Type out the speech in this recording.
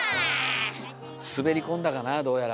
滑り込んだかなどうやら。